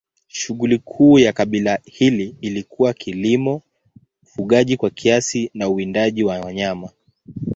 Shughuli kuu ya kabila hili ilikuwa kilimo, ufugaji kwa kiasi na uwindaji wa wanyama.